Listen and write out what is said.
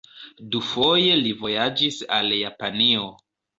Dufoje li vojaĝis al Japanio.